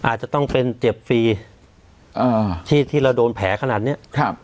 อาจจะต้องเป็นเจ็บฟรีอ่าที่ที่เราโดนแผลขนาดเนี้ยครับ